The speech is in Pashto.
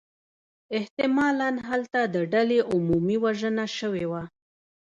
احتمالاً هلته د ډلې عمومی وژنه شوې وه.